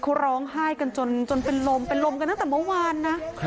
เขาร้องไห้กันจนเป็นลมเป็นลมกันตั้งแต่เมื่อวานนะ